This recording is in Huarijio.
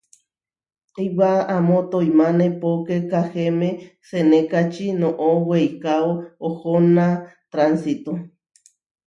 Iʼwá amó toimáne poké Kahéme senékači noʼó weikáo ohóna tránsito.